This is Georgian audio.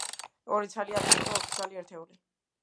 ორი ცალი ათეული და ოთხი ცალი ერთეული.